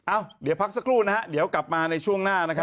เดี๋ยวพักสักครู่นะฮะเดี๋ยวกลับมาในช่วงหน้านะครับ